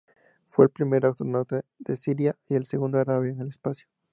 Fue el primer astronauta de Siria y el segundo árabe en el espacio.